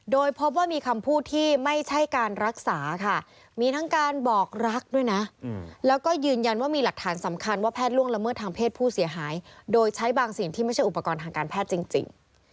โดยพบว่ามีคำพูดที่ไม่ใช่การรักษาค่ะมีทั้งการบอกรักด้วยนะแล้วก็ยืนยันว่ามีหลักฐานสำคัญว่าแพทย์ล่วงละเมิดทางเพศผู้เสียหายโดยใช้บางสิ่งที่ไม่ใช่อุปกรณ์ทางการแพทย์จริง